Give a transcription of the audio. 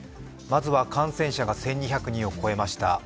まずは、感染者が１２００人を超えました。